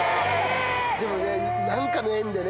でもね何かの縁でね。